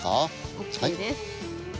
ＯＫです。